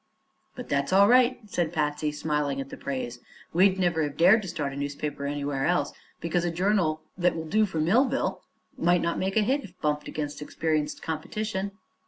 "But that's all right," said Patsy, smiling at the praise; "we'd never have dared to start a newspaper anywhere else, because a journal that will do for Millville might not make a hit if it bumped against experienced competition."